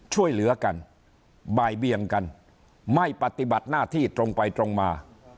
ช่วยเหลือกันบ่ายเบียงกันไม่ปฏิบัติหน้าที่ตรงไปตรงมา